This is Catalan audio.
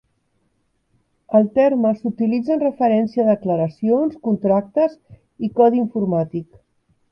El terme s'utilitza en referència a declaracions, contractes i codi informàtic.